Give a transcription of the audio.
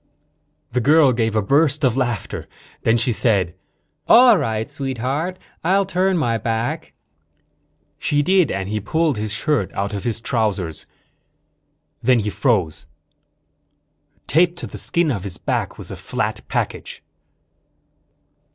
The girl gave a burst of laughter. Then she said: "All right, Sweetheart. I'll turn my back." She did, and he pulled his shirt out of his trousers. Then he froze. Taped to the skin of his back was a flat package.